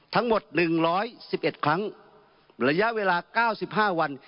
ทั้งหมด๑๑๑ครั้งระยะเวลา๙๕วัน